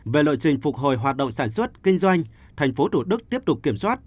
về lộ trình phục hồi hoạt động sản xuất kinh doanh thành phố thủ đức tiếp tục kiểm soát